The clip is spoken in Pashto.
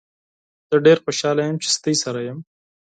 زه ډیر خوشحاله یم چې تاسو سره یم.